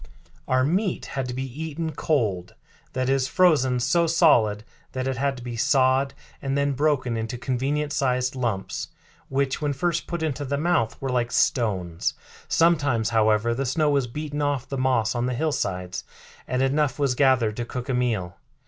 Our meat had to be eaten cold that is, frozen so solid that it had to be sawed and then broken into convenient sized lumps, which when first put into the mouth were like stones. Sometimes, however, the snow was beaten off the moss on the hillsides and enough was gathered to cook a meal."